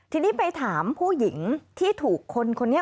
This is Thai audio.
ทีนี้ไปถามผู้หญิงที่ถูกคนคนนี้